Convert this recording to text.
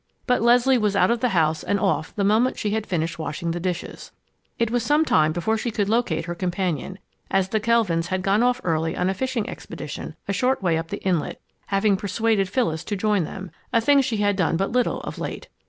But Leslie was out of the house and off the moment she had finished washing the dishes. It was some time before she could locate her companion, as the Kelvins had gone off early on a fishing expedition a short way up the inlet, having persuaded Phyllis to join them, a thing she had done but little of late.